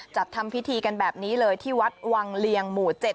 จัดทำพิธีกันแบบนี้เลยที่วัดวังเลียงหมู่๗